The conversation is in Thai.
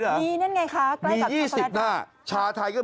เฮ้ยมีชาไทยด้วยหรอ